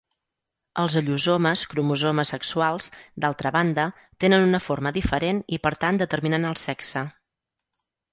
Els allosomes cromosomes sexuals, d'altra banda, tenen una forma diferent i per tant determinen el sexe.